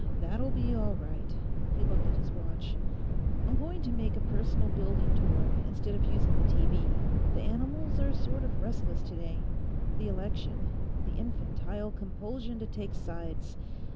That'll be all right." He looked at his watch. "I'm going to make a personal building tour, instead of using the TV. The animals are sort of restless, today. The election; the infantile compulsion to take sides.